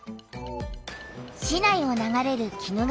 市内を流れる鬼怒川だよ。